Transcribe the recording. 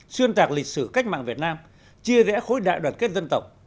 xuyên tạc lịch sử cách mạng việt nam chia rẽ khối đại đoàn kết dân tộc